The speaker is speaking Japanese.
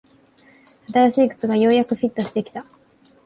新しい靴がようやくフィットしてきた